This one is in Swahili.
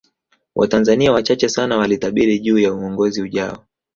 Watanzania wachache sana walitabiri juu ya uongozi ujayo